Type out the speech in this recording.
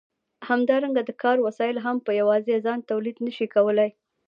همدارنګه د کار وسایل هم په یوازې ځان تولید نشي کولای.